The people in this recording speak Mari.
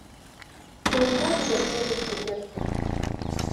Кенета тудо ӧрдыжкӧ тӧрштыш.